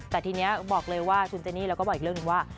แต่ทีนี้บอกเลยว่าคุณเจนี่เราก็บอกอีกเรื่องหนึ่งว่า